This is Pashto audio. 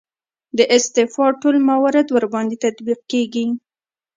د استعفا ټول موارد ورباندې تطبیق کیږي.